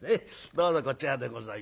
どうぞこちらでござい。